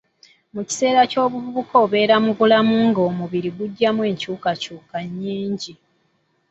Mu kiseera eky'obuvubuka obeera mu bulamu ng'omubiri gujjamu enkyukakyuka nnyingi.